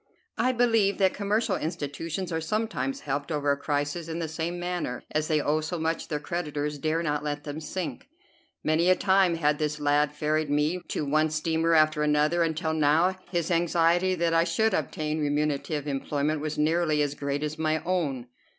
I believe that commercial institutions are sometimes helped over a crisis in the same manner, as they owe so much their creditors dare not let them sink. Many a time had this lad ferried me to one steamer after another, until now his anxiety that I should obtain remunerative employment was nearly as great as my own.